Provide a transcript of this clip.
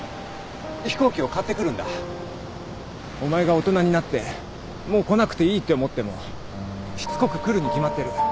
お前が大人になってもう来なくていいって思ってもしつこく来るに決まってる。